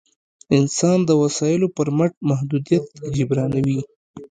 انسان د وسایلو پر مټ محدودیت جبرانوي.